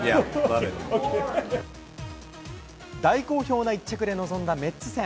大好評な一着で臨んだメッツ戦。